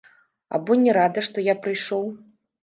Або не рада, што я прыйшоў.